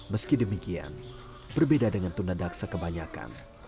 meski demikian berbeda dengan tunda daksa kebanyakan